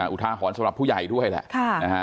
อุทาหรณ์สำหรับผู้ใหญ่ด้วยแหละ